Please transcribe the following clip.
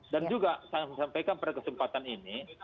dan juga saya menyampaikan pada kesempatan ini